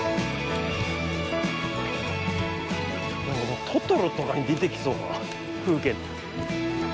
もう「トトロ」とかに出てきそうな風景。